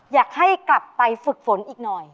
อยากให้กลับไปฝึกฝนอีกหน่อย